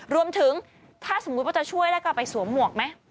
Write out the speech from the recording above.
รวมถึงถ้าสมมุติว่าจะช่วยแล้วก็ไปสวมหมวกไหม